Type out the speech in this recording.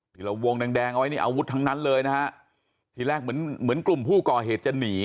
ที่เราวงแดงแดงเอาไว้นี่อาวุธทั้งนั้นเลยนะฮะทีแรกเหมือนเหมือนกลุ่มผู้ก่อเหตุจะหนี